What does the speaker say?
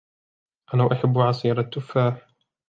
أنا أحبّ عصيرَ التفّاحِ.